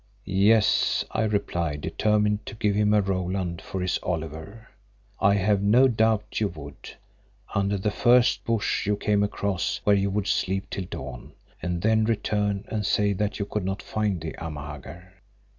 "Yes," I replied, determined to give him a Roland for his Oliver, "I have no doubt you would—under the first bush you came across, where you would sleep till dawn, and then return and say that you could not find the Amahagger."